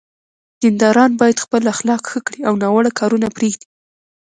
دینداران باید خپل اخلاق ښه کړي او ناوړه کارونه پرېږدي.